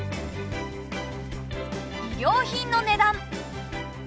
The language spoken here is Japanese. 衣料品の値段。